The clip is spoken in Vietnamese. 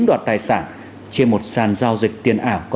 vẫn còn nãi đều